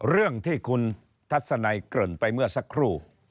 เรื่องที่คุณทัศนัยเกริ่นไปเมื่อสักครู่